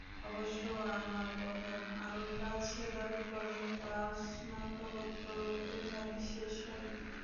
অবশ্য আনোয়ার প্রথম আলোর কাছে দাবি করেন, তাঁর স্নাতকোত্তর এখনো শেষ হয়নি।